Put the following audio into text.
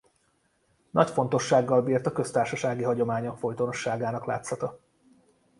Nagy fontossággal bírt a köztársasági hagyományok folytonosságának látszata.